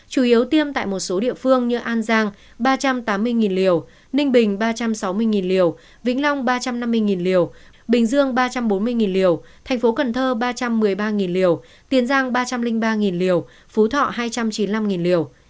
chủ yếu tiêm tại một số địa phương như an giang ba trăm tám mươi liều ninh bình ba trăm sáu mươi liều vĩnh long ba trăm năm mươi liều bình dương ba trăm bốn mươi liều thành phố cần thơ ba trăm một mươi ba liều tiền giang ba trăm linh ba liều phú thọ hai trăm chín mươi năm liều